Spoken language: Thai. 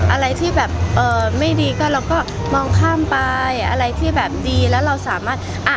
อะไรที่แบบเอ่อไม่ดีก็เราก็มองข้ามไปอะไรที่แบบดีแล้วเราสามารถอ่ะ